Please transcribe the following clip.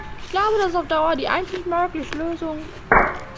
Ich glaube, das ist auf Dauer die einzig mögliche Lösung.